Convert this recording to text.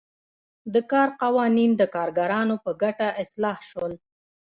د کار قوانین د کارګرانو په ګټه اصلاح شول.